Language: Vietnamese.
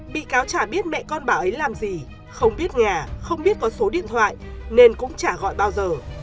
bị cáo trả biết mẹ con bà ấy làm gì không biết nhà không biết có số điện thoại nên cũng trả gọi bao giờ